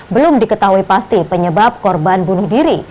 belum diketahui pasti penyebab korban bunuh diri